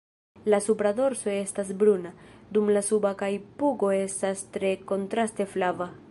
La supra dorso estas bruna, dum la suba kaj pugo estas tre kontraste flava.